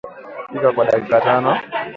Pika kwa dakika tano